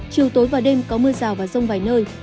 chiều tối và đêm có mưa rào và rông vài nơi